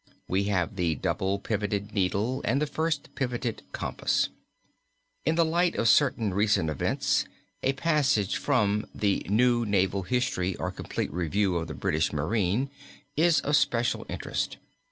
We have the double pivoted needle and the first pivoted compass. In the light of certain recent events a passage from the "New Naval History or Complete Review of the British Marine" (London, 1757) is of special interest.